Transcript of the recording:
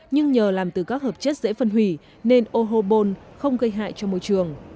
nhưng nhờ làm từ các hợp chất dễ phân hủy nên ohobone không gây hại cho môi trường